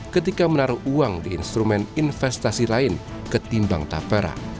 ketika menaruh uang di instrumen investasi lain ketimbang tapera